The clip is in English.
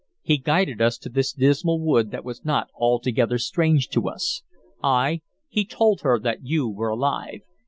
He guided us to this dismal wood that was not altogether strange to us. Ay, he told her that you were alive.